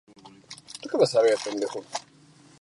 Investiga metales líquidos y semiconductores.